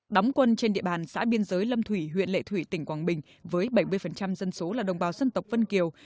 đóng quân trên địa bàn xã biên giới lâm thủy huyện lệ thủy tỉnh quảng bình với bảy mươi dân số là đồng bào dân tộc vân kiều